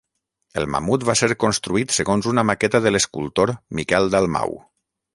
El mamut va ser construït segons una maqueta de l'escultor Miquel Dalmau.